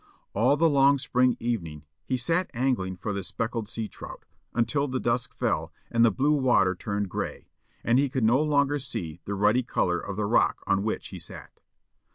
All the long spring evening he sat angling for the speckled sea trout, until the dusk fell and the blue water turned gray, and he could no longer see the ruddy colour of the rock on which he sat.